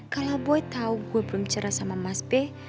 kalau boy tahu gue belum cerah sama mas b